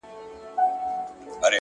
خپل مسیر د حقیقت په رڼا برابر کړئ